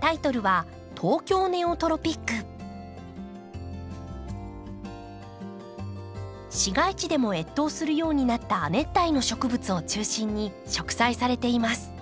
タイトルは市街地でも越冬するようになった亜熱帯の植物を中心に植栽されています。